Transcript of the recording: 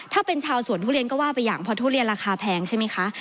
ถ้าเป็นชาวสวนทุเรียนก็ว่าไปอย่างเพราะทุเรียนราคาแพงใช่ไหมคะ